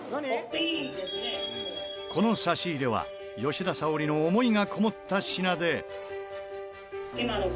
この差し入れは吉田沙保里の思いがこもった品で。